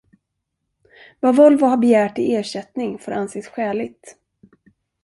Vad Volvo har begärt i ersättning får anses skäligt.